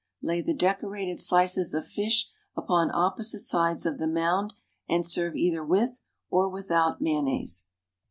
Lay the decorated slices of fish upon opposite sides of the mound, and serve either with or without mayonnaise.